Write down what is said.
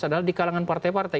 adalah di kalangan partai partai